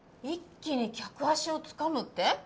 一気に客足をつかむって？